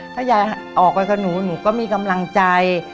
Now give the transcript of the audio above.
ถ้ายายออกไปกับหนูหนูก็มีกำลังใจ